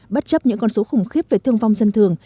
bất chấp những con số khủng khiếp về thương vong dân thường